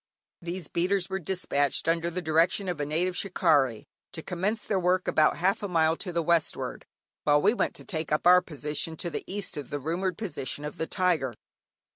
These beaters were despatched, under the direction of a native "shikarrie," to commence their work about half a mile to the westward, while we went to take up our position to the east of the rumoured position of the tiger.